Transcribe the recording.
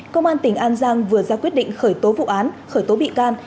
công an tỉnh an giang vừa ra quyết định khởi tố vụ án khởi tố bị can